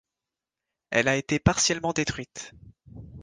Elle a été partiellement détruite.